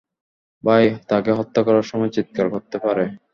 ভাই, তাকে হত্যা করার সময় চিৎকার করতে পারে?